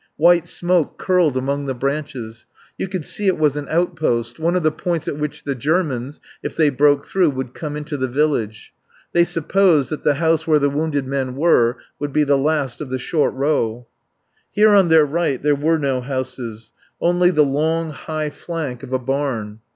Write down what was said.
White smoke curled among the branches. You could see it was an outpost, one of the points at which the Germans, if they broke through, would come into the village. They supposed that the house where the wounded men were would be the last of the short row. Here on their right there were no houses, only the long, high flank of a barn.